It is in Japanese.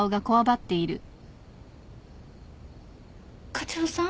課長さん？